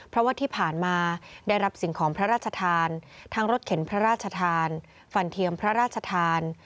เพราะว่าที่ผ่านมาได้รับสิ่งของพระราชทานทั้งรถเข็นพระราชทานฟันเทียมพระราชทาน